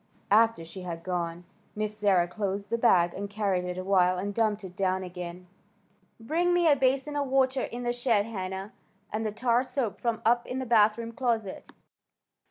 After she had gone, Miss Sarah closed the bag and carried it a while and dumped it down again. Jazbury heard her call, "Bring me a basin of water out in the shed, Hannah, and that tar soap from up in the bathroom closet."